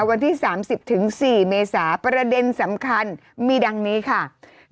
วันที่๓๐๔เมษาประเด็นสำคัญมีดังนี้ค่ะ